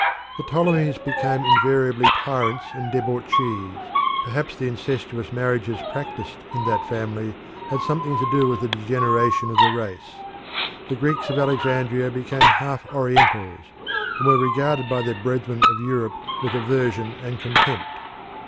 The Ptolemies became invariably tyrants and debauchees perhaps the incestuous marriages practised in that family had something to do with the degeneration of the race. The Greeks of Alexandria became half Orientals, and were regarded by their brethren of Europe with aversion and contempt.